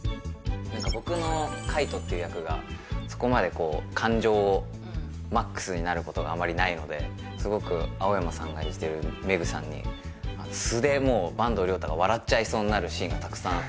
僕の海斗っていう役がそこまで感情をマックスになることがあまりないのですごく青山さんが演じてるメグさんに素でもう坂東龍汰が笑っちゃいそうになるシーンがたくさんあって